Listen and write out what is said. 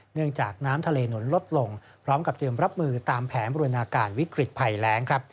เนื่องจากน้ำทะเลหนุนลดลงพร้อมกับเตรียมรับมือตามแผนบริวนาการวิกฤตภัยแรงครับ